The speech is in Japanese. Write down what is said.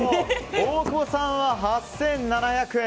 大久保さんは、８７００円。